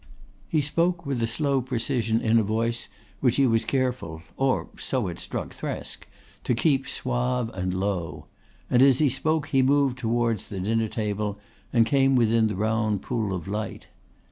He spoke with a slow precision in a voice which he was careful or so it struck Thresk to keep suave and low; and as he spoke he moved towards the dinner table and came within the round pool of light.